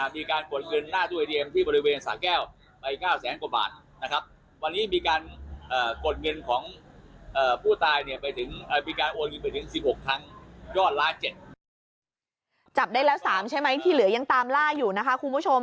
จับได้แล้ว๓ใช่ไหมที่เหลือยังตามล่าอยู่นะคะคุณผู้ชม